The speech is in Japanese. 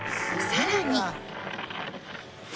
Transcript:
さらに。